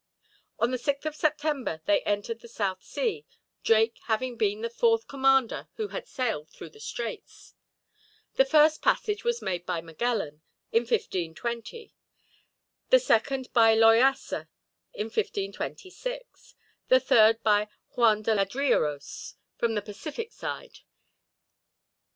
On the 6th of September they entered the South Sea, Drake having been the fourth commander who had sailed through the Straits. The first passage was made by Magellan in 1520, the second by Loyasa in 1526, the third by Juan de Ladrilleros from the Pacific side.